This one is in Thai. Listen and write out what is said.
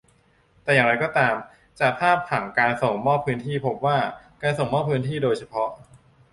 แต่อย่างไรก็ตาม จากภาพผังการส่งมอบพื้นที่พบว่า การส่งมอบพื้นที่โดยเฉพาะ